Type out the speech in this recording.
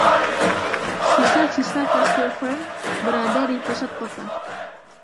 Sisa-sisa Kastil Fern berada di pusat kota.